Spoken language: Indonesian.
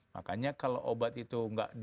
makanya kalau obat itu